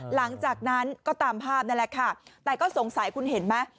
หลังจากนั้นก็ตามภาพนั่นแหละค่ะแต่ก็สงสัยคุณเห็นไหม